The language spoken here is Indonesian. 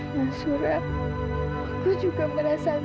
mas surah aku juga merasa sedih